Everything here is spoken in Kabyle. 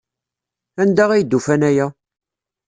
Anda ay d-ufan aya?